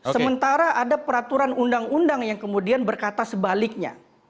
sementara ada peraturan undang undang yang kemudian berkata sebaliknya